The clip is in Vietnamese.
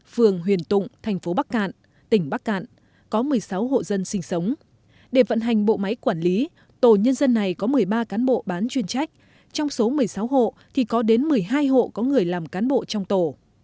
phường huyền tụng thành phố bắc cạn tỉnh bắc cạn có một mươi sáu hộ dân sinh sống để vận hành bộ máy quản lý tổ nhân dân này có một mươi ba cán bộ bán chuyên trách trong số một mươi sáu hộ thì có đến một mươi hai hộ có người làm cán bộ trong tổ